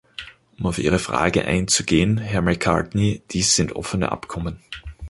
Um auf ihre Frage einzugehen, Herr Macartney dies sind offene Abkommen.